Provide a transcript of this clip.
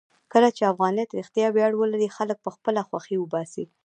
کله چې افغانیت رښتیا ویاړ ولري، خلک به خپله خوښۍ وباسي.